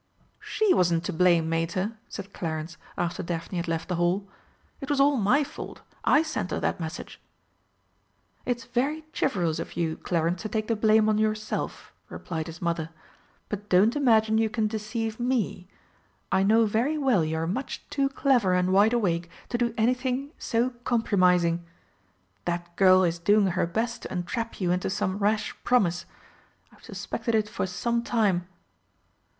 "She wasn't to blame, Mater," said Clarence, after Daphne had left the Hall. "It was all my fault. I sent her that message." "It's very chivalrous of you, Clarence, to take the blame on yourself," replied his Mother; "but don't imagine you can deceive me. I know very well you are much too clever and wideawake to do anything so compromising. That girl is doing her best to entrap you into some rash promise. I've suspected it for some time."